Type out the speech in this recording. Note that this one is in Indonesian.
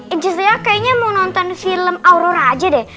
it jus ya kayaknya mau nonton film aurora aja deh